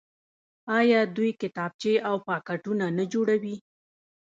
آیا دوی کتابچې او پاکټونه نه جوړوي؟